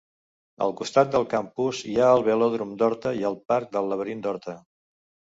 Al costat del Campus hi ha el Velòdrom d'Horta i el Parc del Laberint d'Horta.